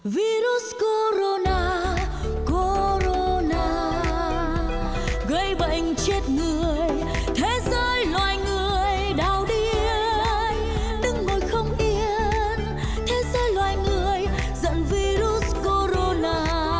virus corona corona gây bệnh chết người thế giới loài người đau điên đứng ngồi không yên thế giới loài người dẫn virus corona